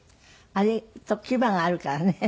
あれと牙があるからね